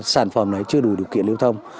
sản phẩm này chưa đủ điều kiện liêu thông